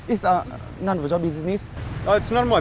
em sợ và sợ cho cô ấy